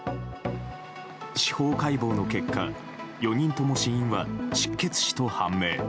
司法解剖の結果４人とも死因は失血死と判明。